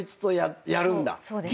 そうですね。